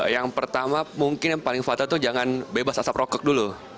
yang pertama mungkin yang paling fatal itu jangan bebas asap rokok dulu